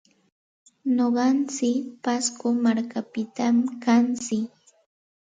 Nuqantsik pasco markapitam kantsik.